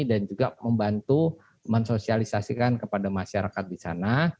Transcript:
juga membantu mensosialisasikan kepada masyarakat di sana